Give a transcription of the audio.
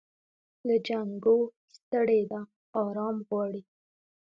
له جنګو ستړې ده آرام غواړي